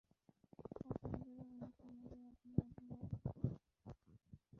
কতদিন ধরে উনার সমাধি আপনি পাহারা দিচ্ছো?